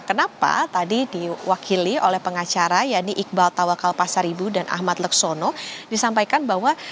kenapa tadi diwakili oleh pengacara yaitu iqbal tawakal pasar ibu dan ahmad leksono disampaikan bahwa